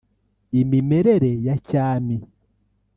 imimerere ya cyami